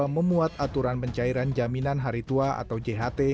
memuat aturan pencairan jaminan hari tua atau jht